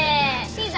ピザ。